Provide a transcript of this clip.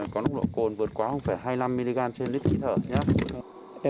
có nồng độ cồn vượt quá hai mươi năm mg trên lít khí thở